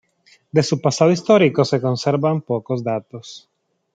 De su pasado histórico se conservan pocos datos.